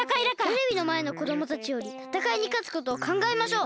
テレビのまえのこどもたちよりたたかいにかつことをかんがえましょう。